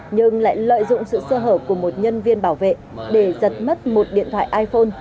nhưng lại lợi dụng sự sơ hở của một nhân viên bảo vệ để giật mất một điện thoại iphone